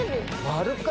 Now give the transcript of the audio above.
丸か！